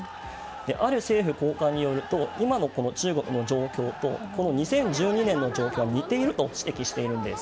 ある政府高官によると今の中国の状況とこの２０１２年の状況が似ていると指摘しているんです。